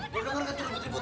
lo denger gak terlalu teribut